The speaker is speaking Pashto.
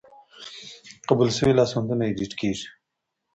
قبول شوي لاسوندونه ایډیټ کیږي.